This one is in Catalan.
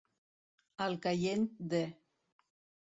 Al caient de.